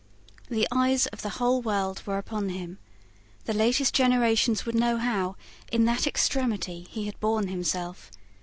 The eyes of the whole world were upon him. The latest generations would know how, in that extremity, he had borne himself.